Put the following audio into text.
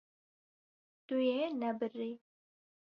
Tu yê nebirî.